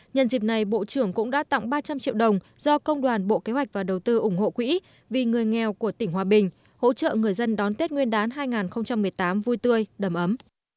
nhân dịp này bộ trưởng cũng đã tặng ba trăm linh triệu đồng do công đoàn bộ kế hoạch và đầu tư ủng hộ quỹ vì người nghèo của tỉnh hòa bình hỗ trợ người dân đón tết nguyên đán hai nghìn một mươi tám vui tươi đầm ấm